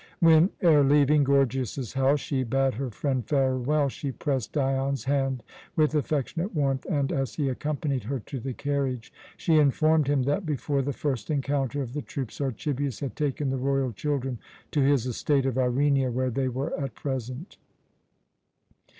When, ere leaving Gorgias's house, she bade her friend farewell, she pressed Dion's hand with affectionate warmth and, as he accompanied her to the carriage, she informed him that, before the first encounter of the troops, Archibius had taken the royal children to his estate of Irenia, where they were at present.